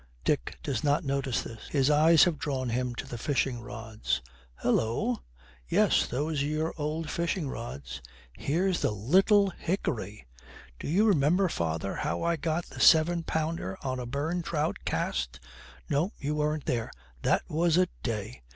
Dick does not notice this; his eyes have drawn him to the fishing rods. 'Hullo!' 'Yes, those are your old fishing rods.' 'Here's the little hickory! Do you remember, father, how I got the seven pounder on a burn trout cast? No, you weren't there. That was a day.